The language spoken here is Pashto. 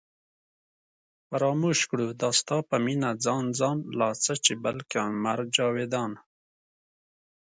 فراموش کړو دا ستا په مینه ځان ځان لا څه چې بلکې عمر جاوېدان